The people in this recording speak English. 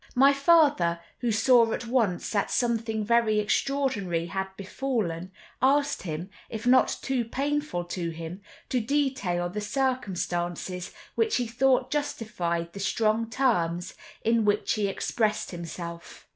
My father, who saw at once that something very extraordinary had befallen, asked him, if not too painful to him, to detail the circumstances which he thought justified the strong terms in which he expressed himself.